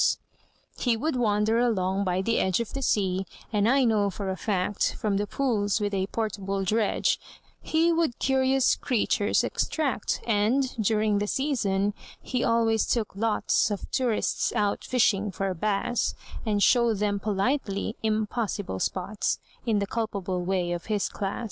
He would wander along by the edge Of the sea, and I know for a fact From the pools with a portable dredge He would curious creatures extract: And, during the season, he always took lots Of tourists out fishing for bass, And showed them politely impossible spots, In the culpable way of his class.